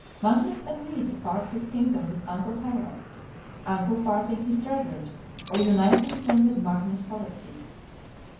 Magnus agreed to part his kingdom with Uncle Harald; uncle parting his treasures, or uniting them with Magnus's poverty.